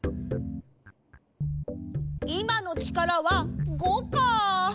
いまの力は５か。